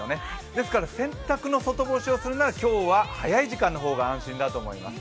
ですから洗濯の外干しをするなら今日は早い時間の方が安心だと思います。